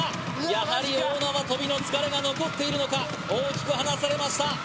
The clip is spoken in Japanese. やはり大縄跳びの疲れが残っているのか大きく離されましたさあ